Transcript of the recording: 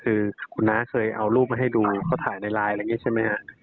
คือคุณน้าเคยเอารูปมาให้ดูเขาถ่ายในไลน์อะไรอย่างนี้ใช่ไหมฮะ